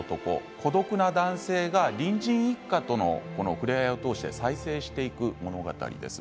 孤独な男性が隣人一家との触れ合いを通して再生していく物語です。